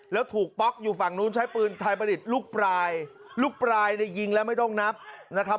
แล้วถูกป๊อกอยู่ฝั่งนู้นใช้ปืนไทยประดิษฐ์ลูกปลายลูกปลายในยิงแล้วไม่ต้องนับนะครับ